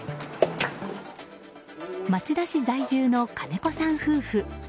町田市在住の金子さん夫婦。